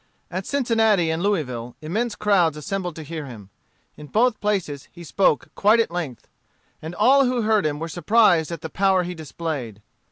At Cincinnatti and Louisville, immense crowds assembled to hear him. In both places he spoke quite at length. And all who heard him were surprised at the power he displayed.